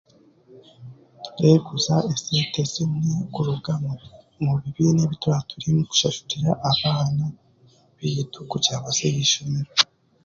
Ndeeguuza esente zimwe kuruga mubi mu bibiina ebituraaturimu kushashurira abaana baitu kugira ngu bagaruke aha ishomero